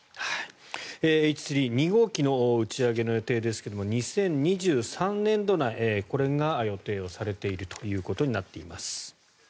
Ｈ３ロケット２号機の打ち上げですが２０２３年度内これが予定されているということになっています。